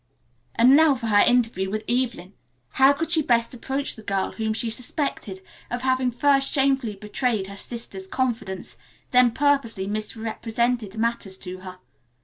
And now for her interview with Evelyn. How could she best approach the girl whom she suspected of having first shamefully betrayed her sister's confidence, then purposely misrepresented matters to her?